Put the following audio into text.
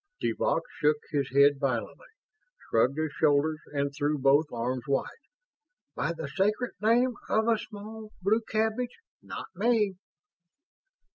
_" de Vaux shook his head violently, shrugged his shoulders and threw both arms wide. "By the sacred name of a small blue cabbage, not me!"